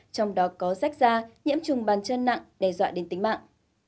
trong đó có rách da nhiễm trùng bàn chân nặng đe dọa đến tính mạng